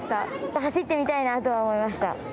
走ってみたいなと思いました。